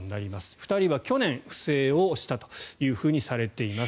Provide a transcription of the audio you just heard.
２人は去年、不正をしたとされています。